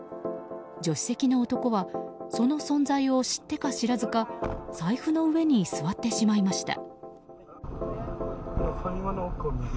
助手席の男はその存在を知ってか知らずか財布の上に座ってしまいました。